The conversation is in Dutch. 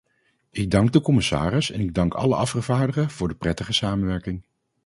Ik dank de commissaris en ik dank alle afgevaardigden voor de prettige samenwerking.